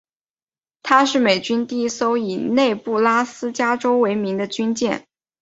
她是美军第一艘以内布拉斯加州为名的军舰。